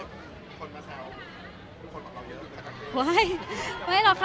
มันเป็นปัญหาจัดการอะไรครับ